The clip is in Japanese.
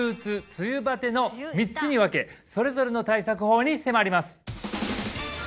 梅雨バテの３つに分けそれぞれの対策法に迫ります